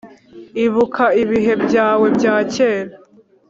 Ibuka ibihe byawe bya kera